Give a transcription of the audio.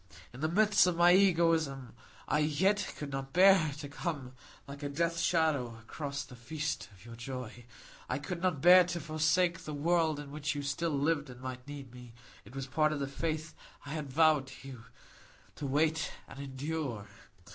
In the midst of my egoism, I yet could not bear to come like a death shadow across the feast of your joy. I could not bear to forsake the world in which you still lived and might need me; it was part of the faith I had vowed to you,—to wait and endure.